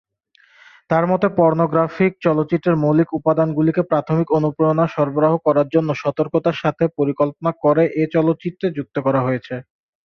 তার মতে পর্নোগ্রাফিক চলচ্চিত্রের মৌলিক উপাদানগুলিকে প্রাথমিক অনুপ্রেরণা সরবরাহ করার জন্য সতর্কতার সাথে পরিকল্পনা করে এ চলচ্চিত্রে যুক্ত করা হয়েছে।